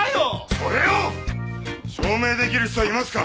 それを証明出来る人はいますか？